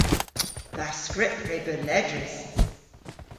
Dha skrypp re beu ledrys.